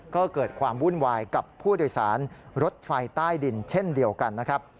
ก็เกิดความวุ่นวายกับผู้โดยสารรถไฟใต้ดินเช่นเดียวกันนะครับ